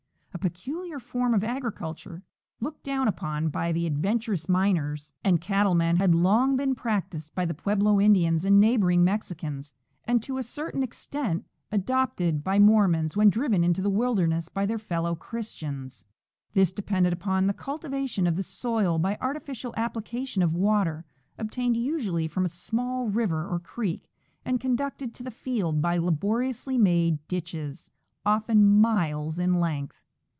A peculiar form of agriculture, looked down upon by the adventurous miners and 23— Nat. Grog. Mag , vol. V, 1803. 170 F. H. Netvell — Arid Regions of tlie United States. cattle men, had long been practiced by the Pueblo Indians and neighboring Mexicans, and to a certain extent adopted by Mor mons when driven into the wilderness by their fellow Christians. This depended upon the cultivation of the soil by artificial application of water, obtained usually from a small river or creek, and conducted to the field by laboriously made ditches, often miles in length.